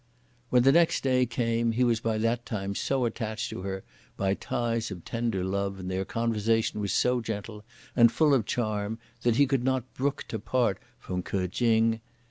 When the next day came, he was by that time so attached to her by ties of tender love and their conversation was so gentle and full of charm that he could not brook to part from K'o Ching.